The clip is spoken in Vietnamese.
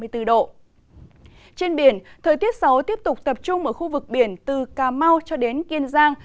trên biển thời tiết xấu tiếp tục tập trung ở khu vực biển từ cà mau cho đến kiên giang